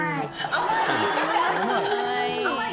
甘い？